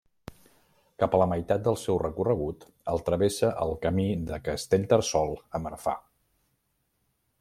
Cap a la meitat del seu recorregut el travessa el Camí de Castellterçol a Marfà.